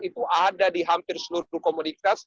itu ada di hampir seluruh komunitas